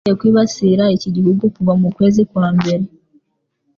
yatangiye kwibasira iki gihugu kuva mu kwezi kwa mbere.